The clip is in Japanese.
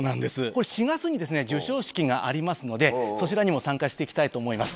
これ４月に授賞式がありますのでそちらにも参加していきたいと思います。